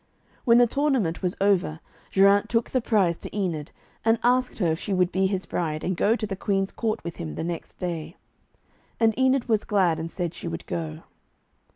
When the tournament was over, Geraint took the prize to Enid, and asked her if she would be his bride, and go to the Queen's court with him the next day. And Enid was glad, and said she would go.